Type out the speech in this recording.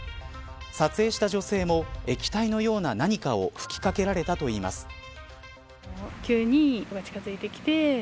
撮影した女性も液体のような何かを吹きかけられたといいます。